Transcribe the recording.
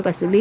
và xử lý